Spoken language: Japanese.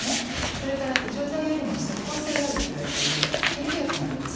それから錠剤よりも即効性があるといわれている点鼻薬もあります。